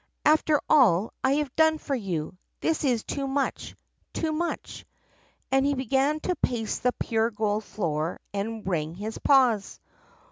'After all I have done for you! This is too much — too much!' And he began to pace the pure gold floor and wring his paws.